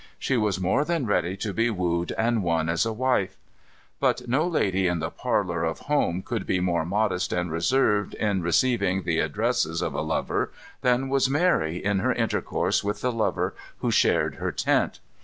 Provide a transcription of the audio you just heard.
She was more than ready to be wooed and won as a wife. But no lady in the parlor of home could be more modest and reserved in receiving the addresses of a lover, than was Mary in her intercourse with the lover who shared her tent.